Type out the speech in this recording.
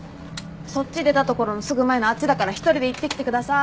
そっち出たところのすぐ前のあっちだから一人で行ってきてください。